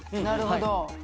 なるほど。